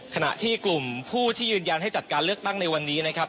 ขณะที่กลุ่มผู้ที่ยืนยันให้จัดการเลือกตั้งในวันนี้นะครับ